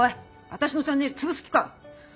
私のチャンネル潰す気か？